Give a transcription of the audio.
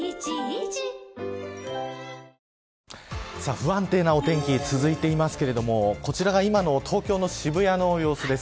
不安定なお天気が続いていますけれどもこちらが今の東京の渋谷の様子です。